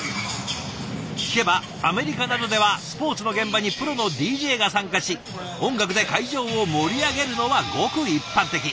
聞けばアメリカなどではスポーツの現場にプロのＤＪが参加し音楽で会場を盛り上げるのはごく一般的。